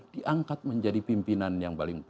diangkat menjadi pimpinan yang paling